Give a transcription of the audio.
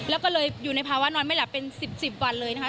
แล้วก็เลยอยู่ในภาวะนอนไม่หลับเป็น๑๐๑๐วันเลยนะคะ